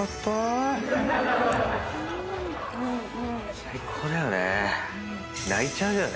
最高だよね。